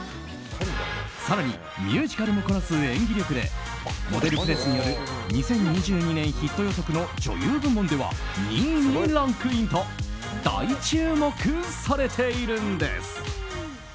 更にミュージカルもこなす演技力でモデルプレスによる２０２２年ヒット予測の女優部門では２位にランクインと大注目されているんです。